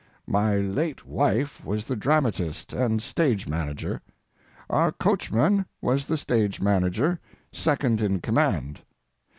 My late wife was the dramatist and stage manager. Our coachman was the stage manager, second in command.